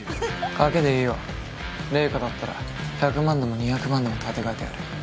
掛けでいいよ麗華だったら１００万でも２００万でも立て替えてやる。